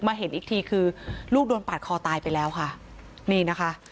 เห็นอีกทีคือลูกโดนปาดคอตายไปแล้วค่ะนี่นะคะ